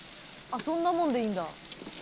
あっそんなもんでいいんだ。